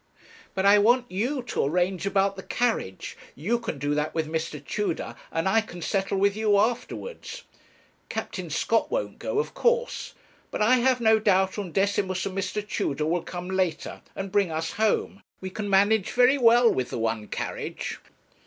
But I want you to arrange about the carriage; you can do that with Mr. Tudor, and I can settle with you afterwards. Captain Scott won't go, of course; but I have no doubt Undecimus and Mr. Tudor will come later and bring us home; we can manage very well with the one carriage.'